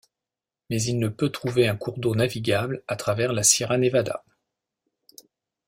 Mais il ne peut trouver un cours d'eau navigable à travers la Sierra Nevada.